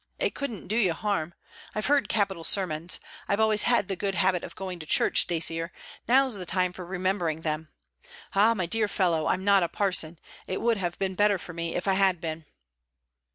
It couldn't do you harm. I've heard capital sermons. I've always had the good habit of going to church, Dacier. Now 's the time for remembering them. Ah, my dear fellow, I 'm not a parson. It would have been better for me if I had been.'